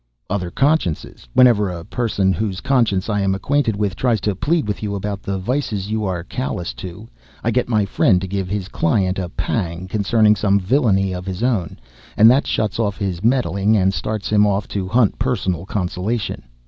"Other consciences. Whenever a person whose conscience I am acquainted with tries to plead with you about the vices you are callous to, I get my friend to give his client a pang concerning some villainy of his own, and that shuts off his meddling and starts him off to hunt personal consolation.